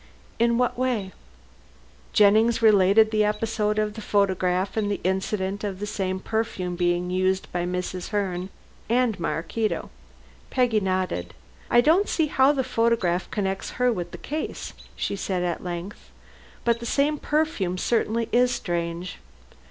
"In what way?" Jennings related the episode of the photograph, and the incident of the same perfume being used by Mrs. Herne and Maraquito. Peggy nodded. "I don't see how the photograph connects her with the case," she said at length, "but the same perfume certainly is strange.